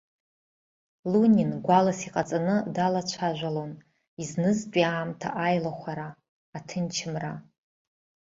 Лунин гәалас иҟаҵаны далацәажәон изнызтәи аамҭа аилахәара, аҭынчымра.